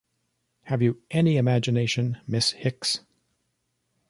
Have you any imagination, Miss Hicks?